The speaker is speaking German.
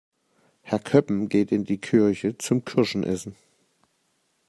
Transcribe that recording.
Herr Köppen geht in die Kirche zum Kirschen essen.